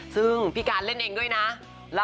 ซึ่งพี่การเล่นเองด้วยนะ